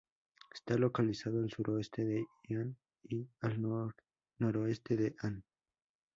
Está localizado al suroeste de Ian y al noroeste de Ann.